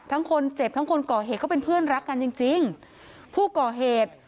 คนเจ็บทั้งคนก่อเหตุก็เป็นเพื่อนรักกันจริงจริงผู้ก่อเหตุ